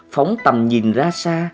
phóng tầm nhìn ra xa